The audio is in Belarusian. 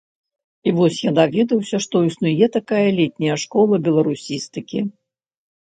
І вось я даведаўся, што існуе такая летняя школа беларусістыкі.